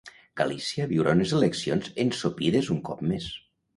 Galícia viurà unes eleccions ensopides un cop més.